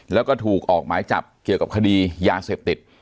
แล้วก็ถูกออกหมายจับเกี่ยวกับคดียาเสพติด